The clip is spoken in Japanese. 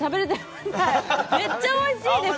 はいめっちゃおいしいです！